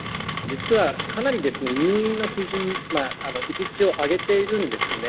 実はかなり、入院の基準を上げているんですね。